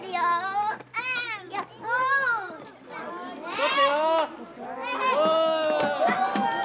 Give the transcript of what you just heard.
取ってよ。